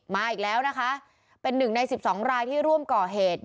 มาอีกแล้วนะคะเป็นหนึ่งใน๑๒รายที่ร่วมก่อเหตุ